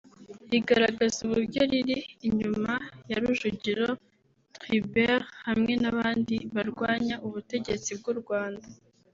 rigaragaza uburyo riri inyuma ya Rujugiro Tribert hamwe n’abandi barwanya ubutegetsi bw’u Rwanda